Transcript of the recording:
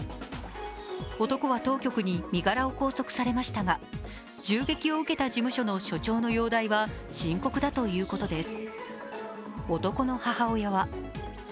男は当局に身柄を拘束されましたが、銃撃を受けた事務所の所長の容体は深刻だということです。